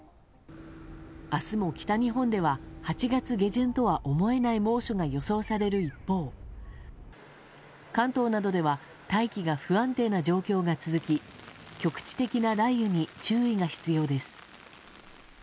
明日も北日本では８月下旬とは思えない猛暑が予想される一方関東などでは大気が不安定な状況が続き局地的な雷雨に注意が必要です。